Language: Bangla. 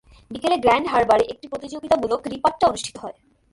বিকেলে গ্র্যান্ড হারবারে একটি প্রতিযোগিতামূলক রিপাট্টা অনুষ্ঠিত হয়।